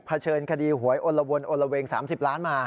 เชิญคดีหวยอลวนโอละเวง๓๐ล้านมา